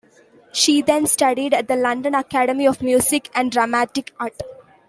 She then studied at the London Academy of Music and Dramatic Art.